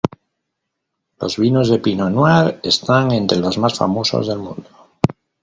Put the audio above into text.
Los vinos de pinot noir están entre los más famosos del mundo.